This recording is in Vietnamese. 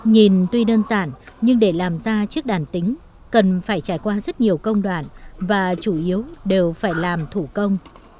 nhìn tuy đơn giản nhưng để làm ra chiếc đàn tính cần phải trải qua rất nhiều công đoạn và chủ yếu đều phải làm thủ công